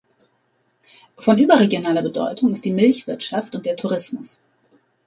Von überregionaler Bedeutung ist die Milchwirtschaft und der Tourismus.